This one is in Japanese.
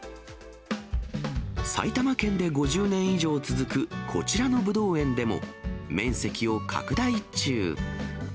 埼玉県で５０年以上続くこちらのぶどう園でも、面積を拡大中。